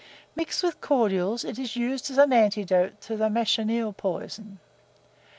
Mixed with cordials, it is used as an antidote to the machineel poison.